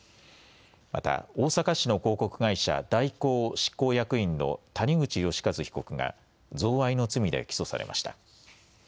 また大阪市の広告会社、大広執行役員の谷口義一被告が贈賄の罪で起訴されました。